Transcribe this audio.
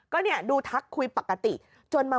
ก็เนี่ยดูทักคุยปกติจนมา